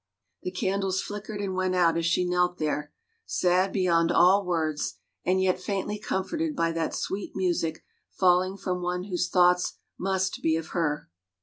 The candles flickered and went out as she knelt there, sad beyond all words and yet faintly comforted by that sweet music falling from one whose thoughts must be of her.